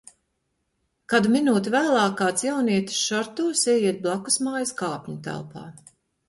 Kādu minūti vēlāk kāds jaunietis šortos ieiet blakusmājas kāpņutelpā.